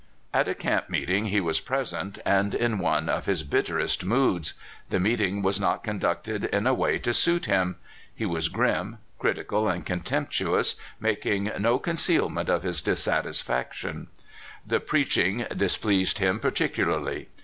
At a camp meeting he was present, and in one of his bitterest moods. The meeting was not conducted in a way to suit him. He was grim, critical, and contemptuous, making no conceal ment of his dissatisfaction. The preaching dis BUFFALO JONES. 223 pleased him particularly.